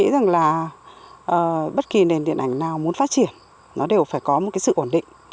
và bất kỳ nền điện ảnh nào muốn phát triển nó đều phải có một cái sự ổn định